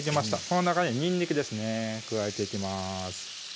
この中ににんにくですね加えていきます